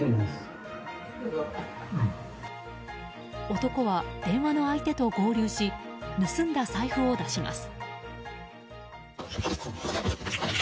男は電話の相手と合流し盗んだ財布を出します。